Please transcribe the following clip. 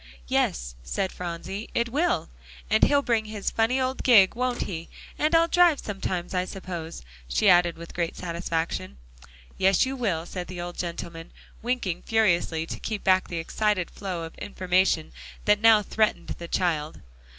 "Yes," said Phronsie, "it will. And he'll bring his funny old gig, won't he, and Ill drive sometimes, I suppose?" she added with great satisfaction. "Yes; you will," said the old gentleman, winking furiously to keep back the excited flow of information that now threatened the child.